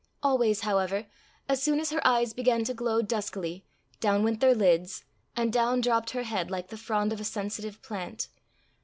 Always however, an soon as her eyes began to glow duskily, down went their lids, and down dropt her head like the frond of a sensitive plant.